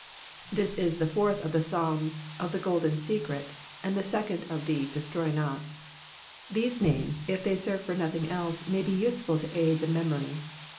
Thix is tkt /ovrth rf the Psaims cf the Gotden Oeerft, <ind the serond tjf tke *' Dtstrny wjis.'* These mames if (key serve for naOking else may be useful to aid the memory.